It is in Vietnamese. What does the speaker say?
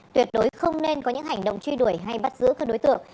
tuyệt đối không nên có những hành động truy đuổi hay bắt giữ các đối tượng